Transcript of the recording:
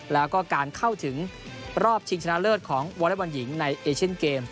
แล้วก็การเข้าถึงรอบชิงชนะเลิศของวอเล็กบอลหญิงในเอเชียนเกมส